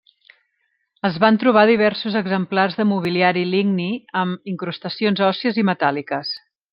Es van trobar diversos exemplars de mobiliari ligni amb incrustacions òssies i metàl·liques.